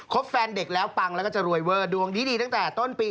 แฟนเด็กแล้วปังแล้วก็จะรวยเวอร์ดวงดีตั้งแต่ต้นปี